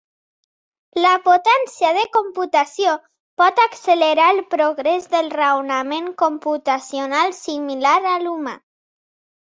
La potència de computació pot accelerar el progrés del raonament computacional similar a l'humà.